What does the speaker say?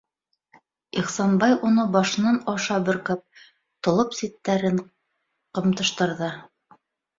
Ихсанбай уны башынан аша бөркәп, толоп ситтәрен ҡымтыштырҙы: